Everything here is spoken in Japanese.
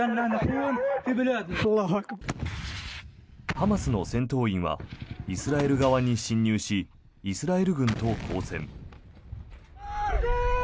ハマスの戦闘員はイスラエル側に侵入しイスラエル軍と交戦。